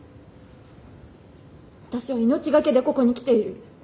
私は命懸けでここに来ている。